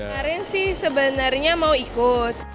kemarin sih sebenarnya mau ikut